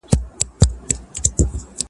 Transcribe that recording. اختر په وینو .